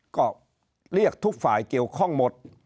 ก็เรียกทุกฝ่ายเกี่ยวข้องหมด